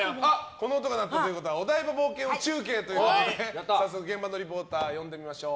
この音が鳴ったということはお台場冒険王中継ということで早速、現場のリポーターを呼んでみましょう！